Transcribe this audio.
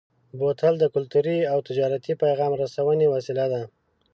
بوتل د کلتوري او تجارتي پیغام رسونې وسیله ده.